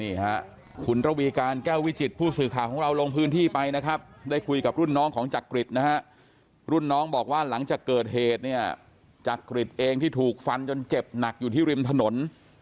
นี่ฮะคุณระวีการแก้ววิจิตผู้สื่อข่าวของเราลงพื้นที่ไปนะครับได้คุยกับรุ่นน้องของจักริตนะฮะรุ่นน้องบอกว่าหลังจากเกิดเหตุเนี่ยจักริตเองที่ถูกฟันจนเจ็บหนักอยู่ที่ริมถนน